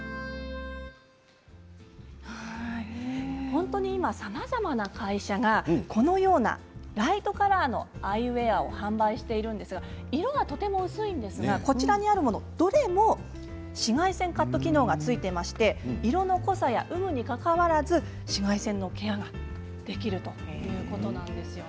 本当に今さまざまな会社がこのようなライトカラーのアイウエアを販売しているんですが色がとても薄いんですがこちらにあるものどれも紫外線カット機能が付いていまして色の濃さや有無にかかわらず紫外線のケアができるということなんですよね。